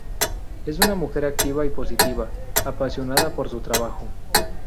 Es una mujer activa y positiva, apasionada por su trabajo.